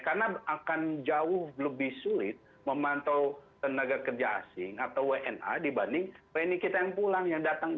karena akan jauh lebih sulit memantau tenaga kerja asing atau wna dibanding rene kita yang pulang yang datang